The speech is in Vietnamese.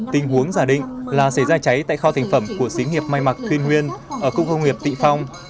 tình huống giả định là xảy ra cháy tại kho thành phẩm của xí nghiệp mai mạc thuyên nguyên ở khu công nghiệp tịnh phong